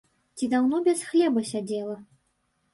Ці даўно без хлеба сядзела?